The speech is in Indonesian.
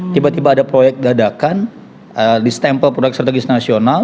tiba tiba ada proyek dadakan distempel proyek strategis nasional